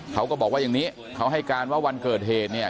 เขาก็บอกว่าอย่างนี้เขาให้การว่าวันเกิดเหตุเนี่ย